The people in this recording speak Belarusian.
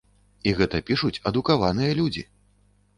І гэта пішуць адукаваныя людзі.